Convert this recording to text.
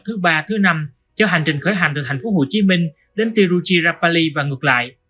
thứ ba thứ năm cho hành trình khởi hành từ thành phố hồ chí minh đến tiruchirapalli và ngược lại